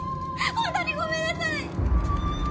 本当にごめんなさい！